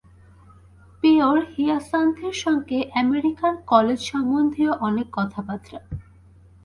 পেয়র হিয়াসান্থের সঙ্গে আমেরিকান কলেজ-সম্বন্ধীয় অনেক কথাবার্তা।